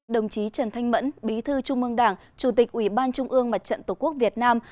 đồng chí trần thanh mẫn bí thư trung ương đảng chủ tịch ủy ban trung ương mặt trận tổ quốc việt nam